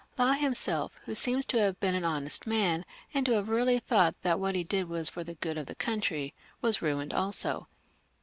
Law himself, who seems to have been an honest man, and to have really thought that what he did was for the good of the country, was ruined also.